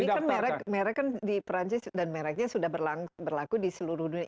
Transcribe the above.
ya ini kan merk di prancis dan merknya sudah berlaku di seluruh dunia